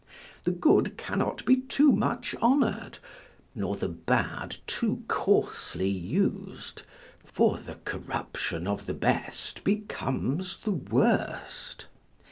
The good cannot be too much honor'd, nor the bad too coarsely us'd: for the corruption of the best becomes the worst.